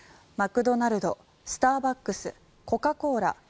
マクドナルド、スターバックスコカ・コーラ